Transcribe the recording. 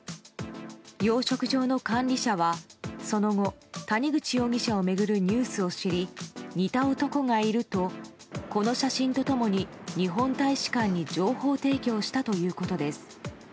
養殖場の管理者はその後、谷口容疑者を巡るニュースを知り、似た男がいるとこの写真と共に日本大使館に情報提供したということです。